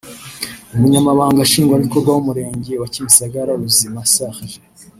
umunyamabanga Nshingwabikorwa w’umurenge wa Kimisagara Ruzima Serge